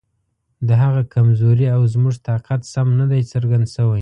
د هغه کمزوري او زموږ طاقت سم نه دی څرګند شوی.